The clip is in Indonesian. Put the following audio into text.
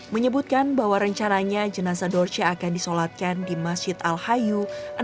menyebutkan bahwa rencananya jenazah dorce akan disolatkan di masjid al hayu